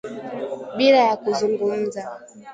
Bila ya kuzungumza